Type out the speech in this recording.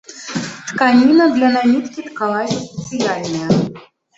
Тканіна для наміткі ткалася спецыяльная.